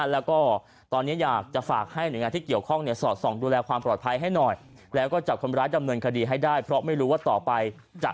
แล้วก็ตอนนี้อยากจะฝากให้